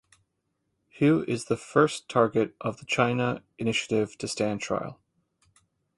Hu is the first target of the China Initiative to stand trial.